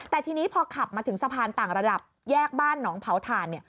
แต่ทีนี้พอขับมาถึงสะพานต่างระดับแยกบ้านหนองเผาถ่านเนี่ย